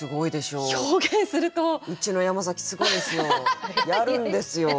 うちの山崎すごいんですよやるんですよ。